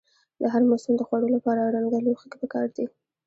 د هر موسم د خوړو لپاره رنګه لوښي پکار دي.